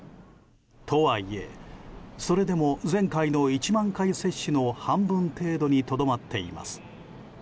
とはいえそれでも、前回の１万回接種の半分程度にとどまっています。